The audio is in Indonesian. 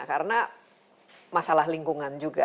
karena masalah lingkungan juga